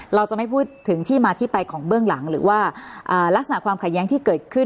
เราจะไม่พูดถึงที่มาที่ไปของเบื้องหลังหรือว่าลักษณะความขัดแย้งที่เกิดขึ้น